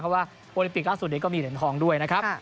เพราะว่าโอลิมปิกล่าสุดนี้ก็มีเหรียญทองด้วยนะครับ